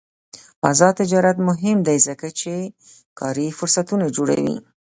آزاد تجارت مهم دی ځکه چې کاري فرصتونه جوړوي.